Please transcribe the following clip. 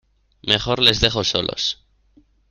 mejor les dejo solos.